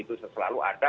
itu selalu ada